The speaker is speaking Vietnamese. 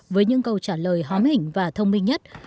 với những câu trả lời hóm hỉnh và thông minh nhất